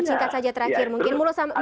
singkat saja terakhir